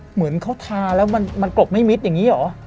เหมือนเขาทาแล้วมันกลบไม่มิดอย่างนี้เหรอ